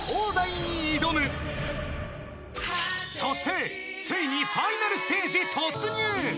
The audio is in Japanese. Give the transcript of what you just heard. ［そしてついにファイナルステージ突入］